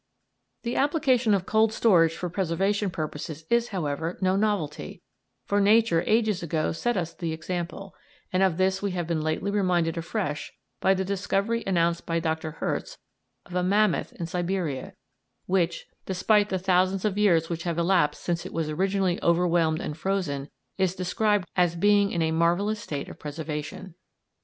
The application of cold storage for preservation purposes is, however, no novelty; for nature ages ago set us the example, and of this we have been lately reminded afresh by the discovery announced by Dr. Herz of a mammoth in Siberia, which, despite the thousands of years which have elapsed since it was originally overwhelmed and frozen, is described as being in a marvellous state of preservation.